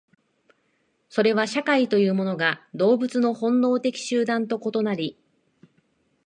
それは社会というものが動物の本能的集団と異なり、